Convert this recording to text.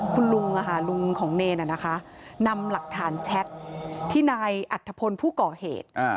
คุณลุงของเนยน่ะนะคะนำหลักฐานแชทที่ในอัตภพลผู้ก่อเหตุ